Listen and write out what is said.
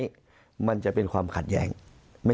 มุมนักวิจักรการมุมประชาชนทั่วไป